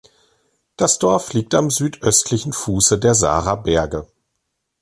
Das Dorf liegt am südöstlichen Fuße der Saarer Berge.